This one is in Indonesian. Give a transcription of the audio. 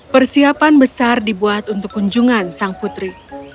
persiapan besar dibuat untuk kunjungan sang putri